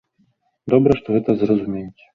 Добра, што гэта зразумеюць.